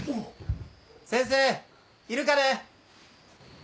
・先生いるかね？